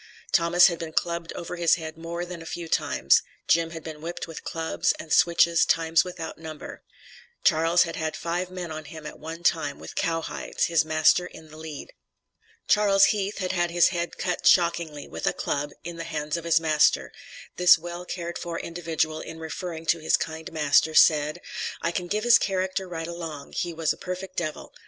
Thomas had been clubbed over his head more times than a few. Jim had been whipped with clubs and switches times without number. Charles had had five men on him at one time, with cowhides, his master in the lead. Charles Heath had had his head cut shockingly, with a club, in the hands of his master; this well cared for individual in referring to his kind master, said: "I can give his character right along, he was a perfect devil.